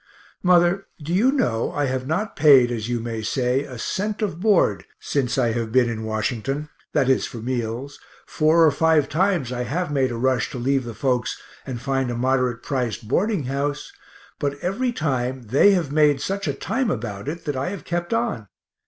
Mother, do you know I have not paid, as you may say, a cent of board since I have been in Washington, that is for meals four or five times I have made a rush to leave the folks and find a moderate priced boarding house, but every time they have made such a time about it that I have kept on.